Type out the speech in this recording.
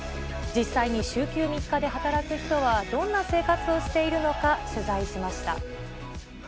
実際に週休３日で働く人はどんな生活をしているのか、取材しました。